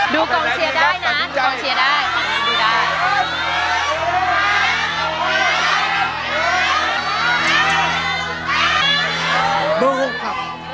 กองเชียร์ได้นะดูกองเชียร์ได้ดูได้